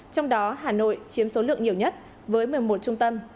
trong đó hà nội chiếm số lượng nhiều nhất với một mươi một trung tâm